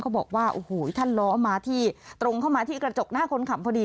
เขาบอกว่าถ้าล้อตรงเข้ามาที่กระจกหน้าคนขำพอดี